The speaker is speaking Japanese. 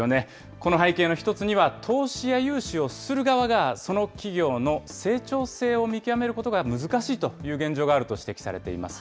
この背景の一つには、投資や融資をする側がその企業の成長性を見極めることが難しいという現状があると指摘されています。